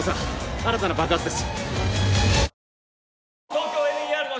新たな爆発です！